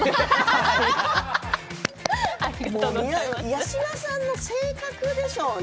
八嶋さんの性格でしょうね。